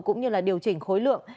cũng như là điều chỉnh khối lượng